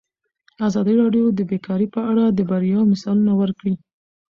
ازادي راډیو د بیکاري په اړه د بریاوو مثالونه ورکړي.